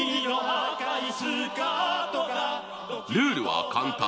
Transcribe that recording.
ルールは簡単。